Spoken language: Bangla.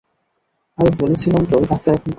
আমি বলেছিলাম তো, ডাক্তার এখন ব্যস্ত।